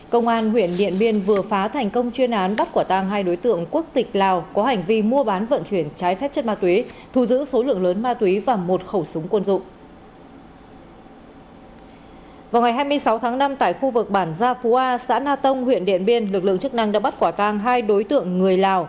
công an huyện điện biên vừa phá thành công chuyên án bắt quả tang hai đối tượng quốc tịch lào có hành vi mua bán vận chuyển trái phép chất ma túy thu giữ số lượng lớn ma túy và một khẩu súng quân dụng